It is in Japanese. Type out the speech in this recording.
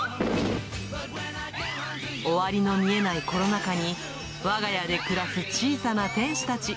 終わりの見えないコロナ禍に、わが家で暮らす小さな天使たち。